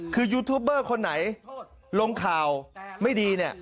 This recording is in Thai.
คือยูทูปเบอร์คนไหนลงข่าวไม่ดีเนี่ย